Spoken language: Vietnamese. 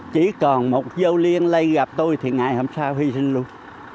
chỉ còn một dâu liên lây gặp tôi thì ngày hôm sau hy sinh luôn